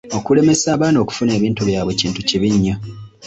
Okulemesa abaana okufuna ebintu byabwe kintu kibi nnyo.